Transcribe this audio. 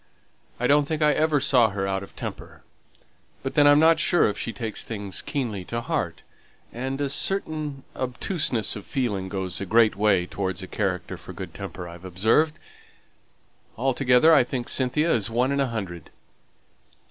I don't think I ever saw her out of temper; but then I'm not sure if she takes things keenly to heart, and a certain obtuseness of feeling goes a great way towards a character for good temper, I've observed. Altogether I think Cynthia is one in a hundred."